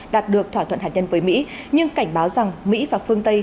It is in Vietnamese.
đạt được thỏa thuận hạt nhân với mỹ nhưng cảnh báo rằng mỹ và phương tây